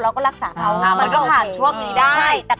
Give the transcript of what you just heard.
เราก็ลักษาเขา